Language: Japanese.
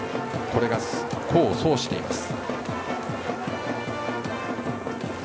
これが功を奏しています。